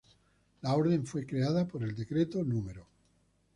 La orden fue creada por el Decreto No.